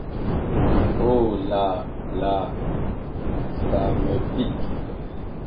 Oh! la, la, ça me pique !